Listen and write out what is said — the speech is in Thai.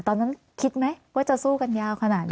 ตอนนั้นคิดไหมว่าจะสู้กันยาวขนาดนี้